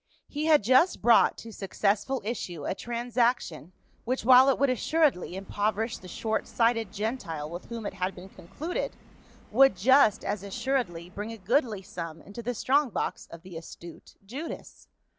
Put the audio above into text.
He had just brought to successful issue a transaction which, while it would assuredly impoverish the short sighted Gentile with whom it had been concluded, would just as assur edly bring a goodly sum into the strong box of the astute Judas.